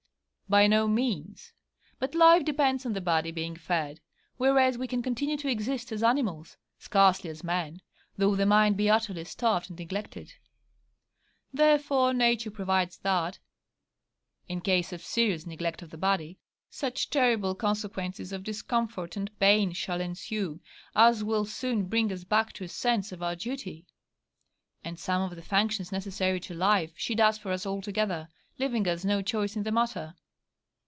By no means: but life depends on the body being fed, whereas we can continue to exist as animals (scarcely as men) though the mind be utterly starved and neglected. Therefore Nature provides that, in case of serious neglect of the body, such terrible consequences of discomfort and pain shall ensue, as will soon bring us back to a sense of our duty: and some of the functions necessary to life she does for us altogether, leaving us no choice in the matter.